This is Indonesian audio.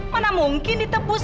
mana mungkin ditebus